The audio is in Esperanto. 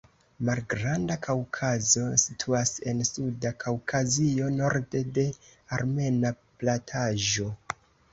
Malgranda Kaŭkazo situas en Suda Kaŭkazio, norde de Armena plataĵo.